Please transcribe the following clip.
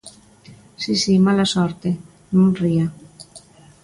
Si si, mala sorte, non ría.